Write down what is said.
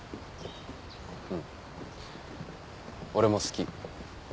うん俺も好き。